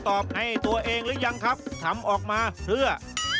ให้ตัวเองหรือยังครับทำออกมาเพื่อ